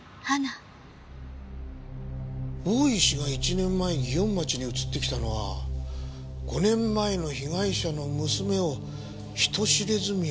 大石が１年前に祇園町に移ってきたのは５年前の被害者の娘を人知れず見守るためか。